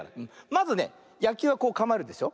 まずねやきゅうはこうかまえるでしょ？